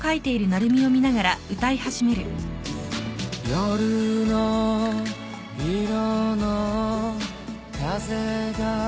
「夜の色の風が」